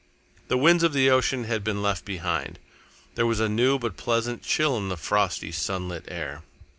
The winds of the ocean had been left behind. There was a new but pleasant chill in the frosty, sunlit air.